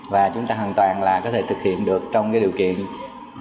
và chúng ta hoàn toàn là có thể thực hiện được trong cái điều kiện gia công chế tạo ở việt nam